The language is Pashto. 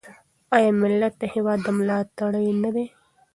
آیا ملت د هیواد ملاتړی نه دی؟